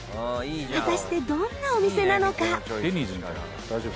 果たしてどんなお店なのか？